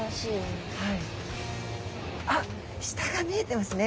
あっ下が見えてますね。